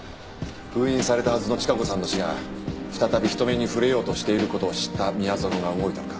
封印されたはずの千加子さんの死が再び人目に触れようとしている事を知った宮園が動いたのか。